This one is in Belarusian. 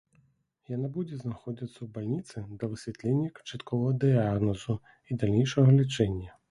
Яна будзе знаходзіцца ў бальніцы да высвятлення канчатковага дыягназу і далейшага лячэння.